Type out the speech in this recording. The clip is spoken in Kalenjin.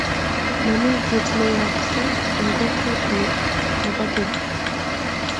Mami kit ne yayakse eng kokwet ni nepo keny